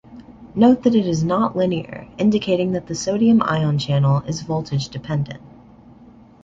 Note that it is not linear, indicating that the sodium ion channel is voltage-dependent.